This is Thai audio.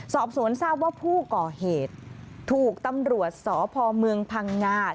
สอบศูนย์ทราบว่าผู้ก่อเหตุถูกตำรวจสพพังงา